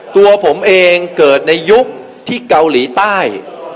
ตัวผมเองเกิดในยุคที่เกาหลีใต้